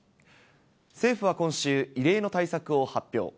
政府は今週、異例の対策を発表。